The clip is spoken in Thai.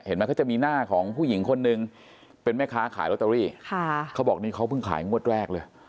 ก็จะมีหน้าของผู้หญิงคนนึงเป็นแม่ค้าขายลอตเตอรี่ค่ะเขาบอกนี่เขาเพิ่งขายงวดแรกเลย